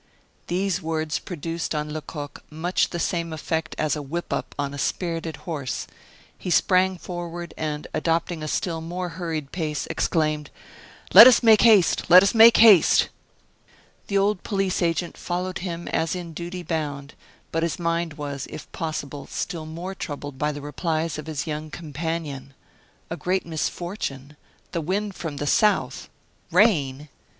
These words produced on Lecoq much the same effect as a whip up on a spirited horse. He sprang forward, and, adopting a still more hurried pace, exclaimed: "Let us make haste! let us make haste!" The old police agent followed him as in duty bound; but his mind was, if possible, still more troubled by the replies of his young companion. A great misfortune! The wind from the south! Rain!